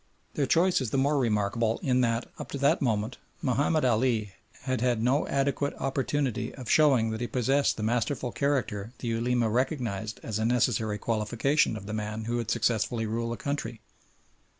Their choice is the more remarkable in that, up to that moment, Mahomed Ali had had no adequate opportunity of showing that he possessed the masterful character the Ulema recognised as a necessary qualification of the man who would successfully rule the country.